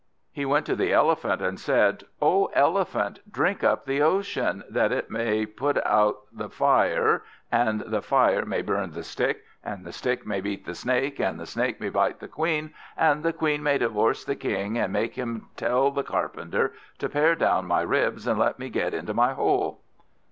He went to the Elephant, and said, "O Elephant, drink up the Ocean, that it may put out the Fire, and the Fire may burn the Stick, and the Stick may beat the Snake, and the Snake may bite the Queen, and the Queen may divorce the King, and make him tell the Carpenter to pare down my ribs, and let me get into my hole."